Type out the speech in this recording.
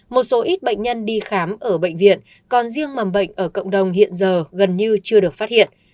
một số ít bệnh nhân đi khám ở bệnh viện còn riêng mầm bệnh ở cộng đồng hiện giờ gần như chưa được phát hiện